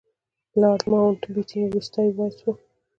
لارډ ماونټ بیټن وروستی وایسराय و.